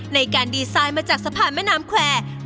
ในการดีไซน์มาจากสะพานแม่น้ำแควร์